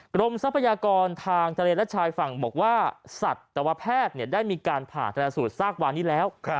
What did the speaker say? ทรัพยากรทางทะเลและชายฝั่งบอกว่าสัตวแพทย์ได้มีการผ่าธนสูตรซากวานนี้แล้ว